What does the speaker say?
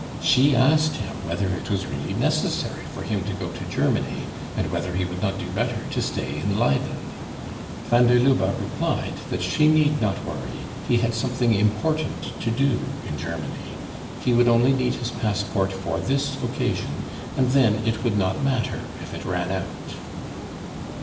She asked him whether it was really necessary for him to go to Germany, and whether he would not do better to stay in Leyden. Van der Lubbe replied that she need not worry, he had something important to do in Germany, he would only need his passport for this occasion, and then it would not matter if it ran out.